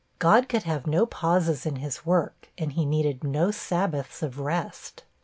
God could have no pauses in his work, and he needed no Sabbaths of rest.